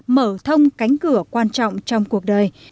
mở thông cánh cửa quan trọng trong cuộc đời